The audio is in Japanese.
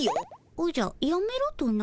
おじゃやめろとな？